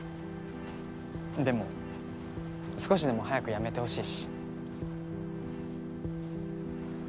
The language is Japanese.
でも少しでも早く辞めてほしいし。